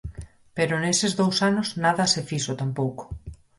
Pero neses dous anos nada se fixo tampouco.